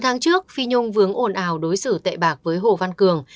sáu tháng trước phi nhung vướng ồn ào đối xử tệ bạc với hồ văn cường